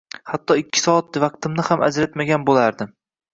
Hatto ikki soat vaqtimni ham ajratmagan bo’lardim